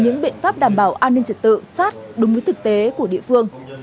những biện pháp đảm bảo an ninh trật tự sát đúng với thực tế của địa phương